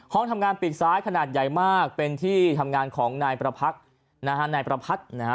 ห้องทำงานปีกซ้ายขนาดใหญ่มากเป็นที่ทำงานของนายประพักษณ์นะฮะ